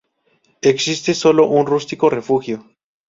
Existe solo un rústico refugio.